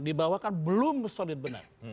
dibawah kan belum solid benar